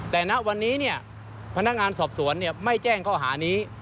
แต่ณวันนี้เนี่ยพนักงานสอบสวนเนี่ยไม่แจ้งข้อหานี้